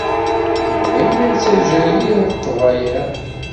Yuba yella yettajja yir ḍḍbayeɛ.